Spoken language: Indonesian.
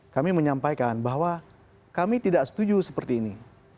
kami menyampaikan bahwa kami tidak setuju seperti ini